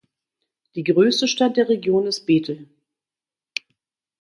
Die größte Stadt der Region ist Bethel.